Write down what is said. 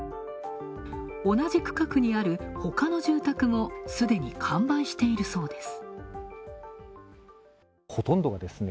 同じ区画にあるほかの住宅もすでに完売しているそうです。